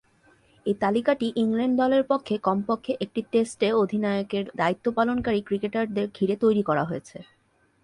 এ তালিকাটি ইংল্যান্ড দলের পক্ষে কমপক্ষে একটি টেস্টে অধিনায়কের দায়িত্ব পালনকারী ক্রিকেটারদের ঘিরে তৈরি করা হয়েছে।